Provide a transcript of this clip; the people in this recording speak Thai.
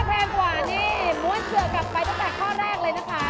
แพงกว่านี่ม้วนเผื่อกลับไปตั้งแต่ข้อแรกเลยนะคะ